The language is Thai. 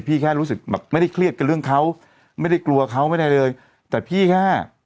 แค่รู้สึกแบบไม่ได้เครียดกับเรื่องเขาไม่ได้กลัวเขาไม่ได้เลยแต่พี่แค่